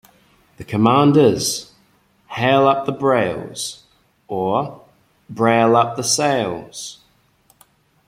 The command is, "hale up the brails", or, "brail up the sails".